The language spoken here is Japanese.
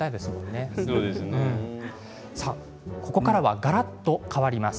ここからはがらっと変わります。